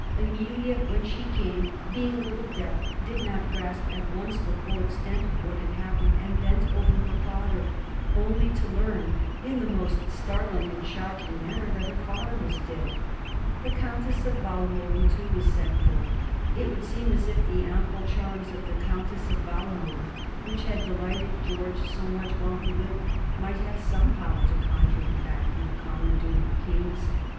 Amelia, when she came, being a little deaf, did not grasp at once the full extent of what had happened, and bent over her father only to learn in the most startling and shocking manner that her father was dead. The Countess of Walmoden, too, was sent for. It would seem as if the ample charms of the Countess of Walmoden, which had delighted George so much while he lived, might have some power to conjure him back from the common doom of kings.